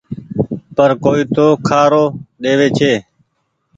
پر ڪوئي تو کآرو ۮيوي ڇي۔